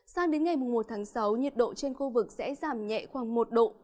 sang đến ngày một tháng sáu nhiệt độ trên khu vực sẽ giảm nhẹ khoảng một độ